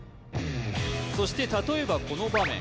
そして例えばこの場面